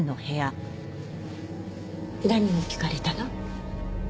何を聞かれたの？